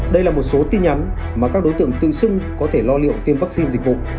đây là một số tin nhắn mà các đối tượng tự xưng có thể lo liệu tiêm vaccine dịch vụ